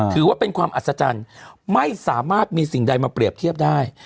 ถือว่าเป็นความอัศจรรย์ไม่สามารถมีสิ่งใดมาเปรียบเทียบได้